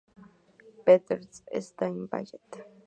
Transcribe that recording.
Petersburg State Ballet.